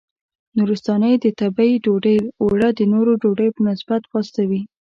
نورستانۍ د تبۍ ډوډۍ اوړه د نورو ډوډیو په نسبت پاسته وي.